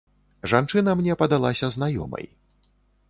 Жанчына мне падалася знаёмай.